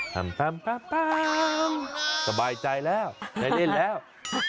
ตามตามตามตามสบายใจแล้วได้เล่นแล้ว